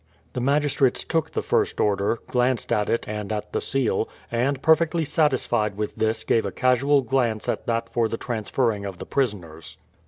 The magistrates took the first order, glanced at it and at the seal, and perfectly satisfied with this gave a casual glance at that for the transferring of the prisoners.